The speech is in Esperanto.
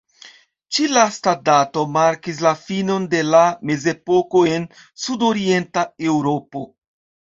Ĉi-lasta dato markis la finon de la Mezepoko en Sudorienta Eŭropo.